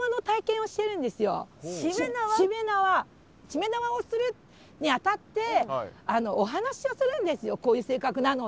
しめ縄をするにあたってお話をするんですよこういう性格なので。